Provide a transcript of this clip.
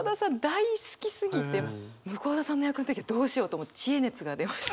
大好きすぎて向田さんの役の時どうしようと思って知恵熱が出ました。